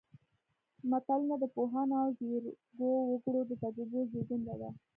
متلونه د پوهانو او ځیرکو وګړو د تجربو زېږنده ده